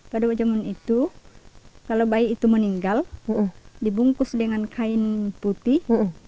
pada zaman itu kalau bayi itu meninggal dibungkus dengan kain putih